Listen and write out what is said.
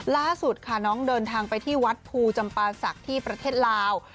ล่าสุดค่ะน้องเดินทางไปที่วัดภูจำปาศักดิ์ที่ประเทศลาว